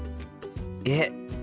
えっ？